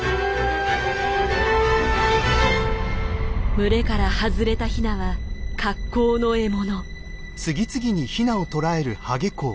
群れから外れたヒナは格好の獲物。